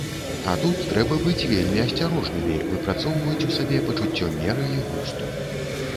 А тут трэба быць вельмі асцярожнымі, выпрацоўваць у сабе пачуццё меры і густу.